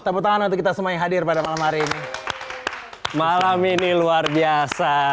tepuk tangan untuk kita semua yang hadir pada malam hari ini malam ini luar biasa